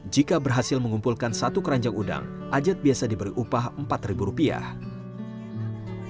jika berhasil mengumpulkan satu keranjang udang ajat biasa diberi upah empat ribu rupiah